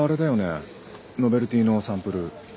ノベルティのサンプル。